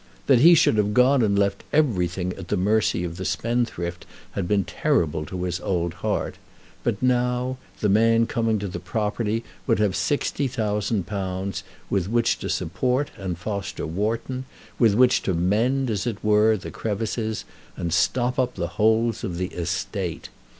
That he should have gone and left everything at the mercy of the spendthrift had been terrible to his old heart; but now, the man coming to the property would have £60,000 with which to support and foster Wharton, with which to mend, as it were, the crevices, and stop up the holes of the estate.